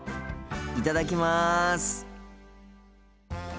いただきます。